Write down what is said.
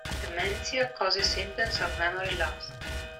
Dementia causes symptoms of memory loss.